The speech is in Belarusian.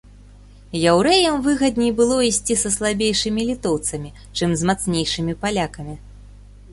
Яўрэям выгадней было ісці са слабейшымі літоўцамі, чым з мацнейшымі палякамі.